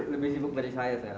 lebih sibuk dari saya